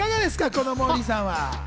このモーリーさんは。